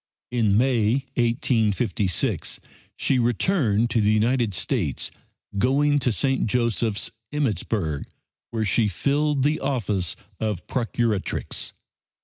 In May, 1856, she returned to the United States, going to St. Joseph's, Emmittsburg where she filled the office of Procuratrix.